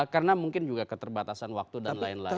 karena mungkin juga keterbatasan waktu dan lain lain